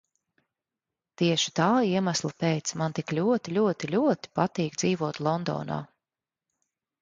Tieši tā iemesla pēc man tik ļoti, ļoti, ļoti patīk dzīvot Londonā.